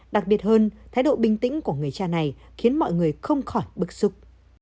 đặc biệt hơn thái độ bình tĩnh của người cha này khiến mọi người không khỏi bực sục